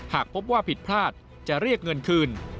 หากพบว่าผิดพลาดจะเรียกเงินคืน